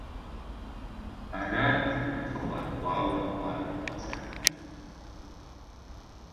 Арат хъыбар гуауэр къуажэм къэзыхьари.